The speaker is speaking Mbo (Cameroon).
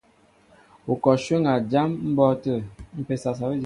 Ú kɔ shwéŋ a jám mbɔ́ɔ́tə̂.